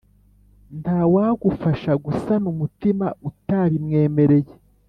ntawagufashagusana umutima utabimwemereye ;